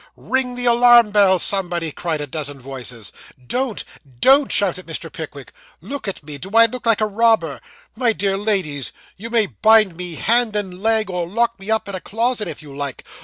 'Ring the alarm bell, somebody!' cried a dozen voices. 'Don't don't,' shouted Mr. Pickwick. 'Look at me. Do I look like a robber! My dear ladies you may bind me hand and leg, or lock me up in a closet, if you like.